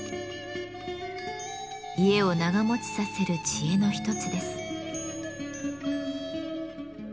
家を長もちさせる知恵の一つです。